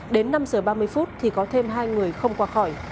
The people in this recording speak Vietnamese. đến năm giờ ba mươi phút thì có thêm hai người không qua khỏi